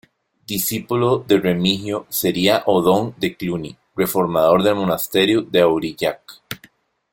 Discípulo de Remigio sería Odón de Cluny, reformador del monasterio de Aurillac.